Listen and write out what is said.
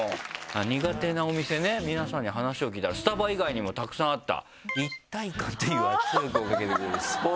苦手なお店ね皆さんに話を聞いたらスタバ以外にもたくさんあった。